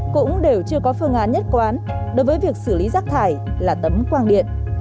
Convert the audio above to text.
cũng đều chưa có phương án nhất quán đối với việc xử lý rác thải là tấm quang điện